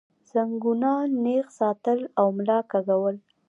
زنګونان نېغ ساتل او ملا کږول